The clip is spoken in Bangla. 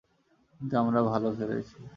কিন্তু আমরা ভালো খেলেছি।